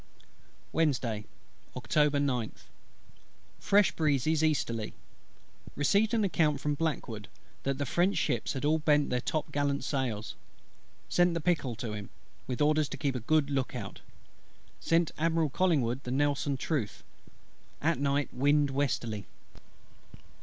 Wednesday, October 9th. Fresh breezes easterly. Received an account from BLACKWOOD, that the French ships had all bent their top gallant sails. Sent the Pickle to him, with orders to keep a good look out. Sent Admiral COLLINGWOOD the Nelson truth. At night wind westerly.